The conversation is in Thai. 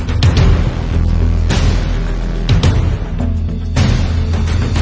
สวัสดีครับ